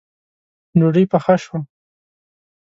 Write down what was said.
ډوډۍ پخه شوه